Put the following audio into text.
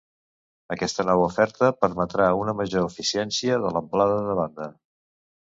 Aquesta nova oferta permetrà una major eficiència de l'amplada de banda.